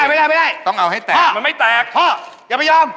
พ่ออย่าไปยอม